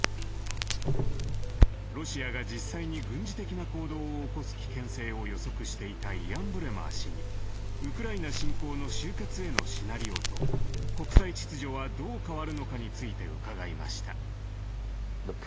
ロシアが実際に軍事的な行動を起こす危険性を予測していたイアン・ブレマー氏にウクライナ侵攻の終結へのシナリオと国際秩序はどう変わるのかについて伺いました。